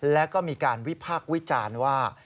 แล้วก็มีการวิพากษ์วิจารณ์ว่า